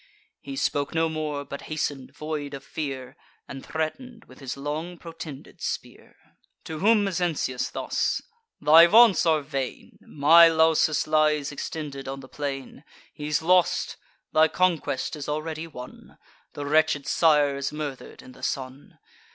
He spoke no more; but hasten'd, void of fear, And threaten'd with his long protended spear. To whom Mezentius thus: "Thy vaunts are vain. My Lausus lies extended on the plain: He's lost! thy conquest is already won; The wretched sire is murder'd in the son.